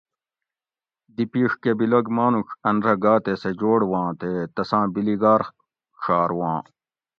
دی پیڛکہۤ بیلگ مانوڄ ان رہ گا تے سہ جوڑ واں تے تساں بیلیگار ڛارواں